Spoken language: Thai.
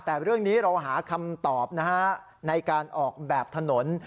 แต่เรื่องนี้เราหาคำตอบนะฮะในการออกแบบถนน